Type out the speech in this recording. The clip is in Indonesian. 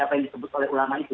apa yang disebut oleh ulama itu